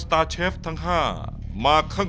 ซุปไก่เมื่อผ่านการต้มก็จะเข้มขึ้น